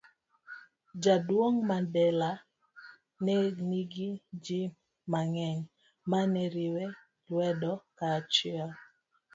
Jaduong' Mandela ne nigi ji mang'eny ma ne riwe lwedo kaachiel